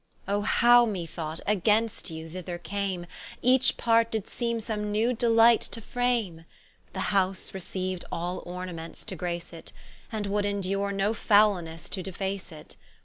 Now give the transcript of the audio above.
Oh how (me thought) against you thither came, Each part did seeme some new delight to frame! The House receiu'd all ornaments to grace it, And would indure no foulenesse to deface it.